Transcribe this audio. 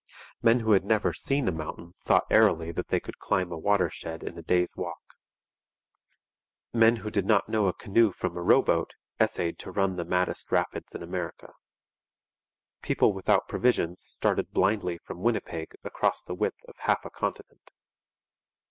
Men who had never seen a mountain thought airily that they could climb a watershed in a day's walk. Men who did not know a canoe from a row boat essayed to run the maddest rapids in America. People without provisions started blindly from Winnipeg across the width of half a continent.